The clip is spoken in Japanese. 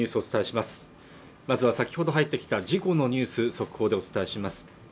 まずは先ほど入ってきた事故のニュースを速報でお伝えします